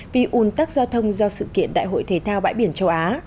vì ùn tắc giao thông do sự kiện đại hội thể thao bãi biển châu á